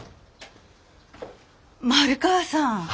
丸川さん。